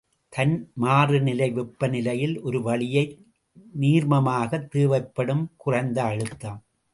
தன் மாறுநிலை வெப்ப நிலையில் ஒரு வளியை நீர்மமாக்கத் தேவைப்படும் குறைந்த அழுத்தம்.